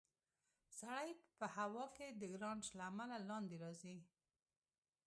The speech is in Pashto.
سړی په هوا کې د ګرانش له امله لاندې راځي.